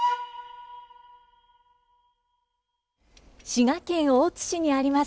滋賀県大津市にあります